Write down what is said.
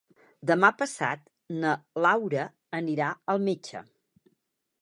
Demà passat na Laura anirà al metge.